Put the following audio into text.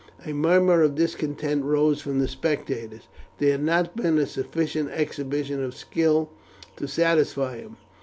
A murmur of discontent rose from the spectators, there had not been a sufficient exhibition of skill to satisfy them.